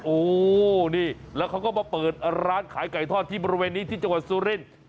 โอ้นี่แล้วเขาก็มาเปิดร้านขายไก่ทอดที่บริเวณนี้ที่จังหวัดสุรินทร์